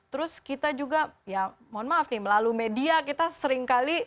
terus kita juga ya mohon maaf nih melalui media kita seringkali